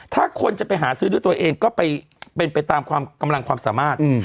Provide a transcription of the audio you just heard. ถ้าคนจะไปหาซื้อด้วยตัวเองก็ไปเป็นไปตามความกำลังความสามารถ